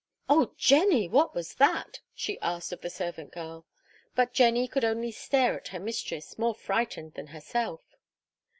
'Oh, Jenny, what was that?' she asked of the servant girl; but Jenny could only stare at her mistress, more frightened than herself.